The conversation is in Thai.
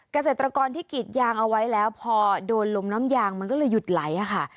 เกษตรกรที่กีดยางเอาไว้แล้วพอโดนลมน้ำยางมันก็เลยหยุดไหลค่ะ